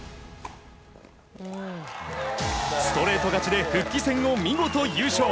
ストレート勝ちで復帰戦を見事優勝。